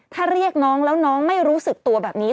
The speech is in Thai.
ถ้าเรียกน้องแล้วน้องไม่รู้สึกตัวแบบนี้